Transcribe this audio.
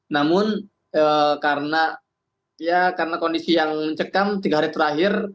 namun karena kondisi yang mencekam tiga hari terakhir